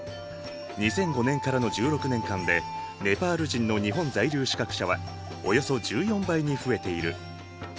２００５年からの１６年間でネパール人の日本在留資格者はおよそ１４倍に増えている。